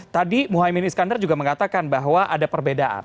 tadi muhaymin iskandar juga mengatakan bahwa ada perbedaan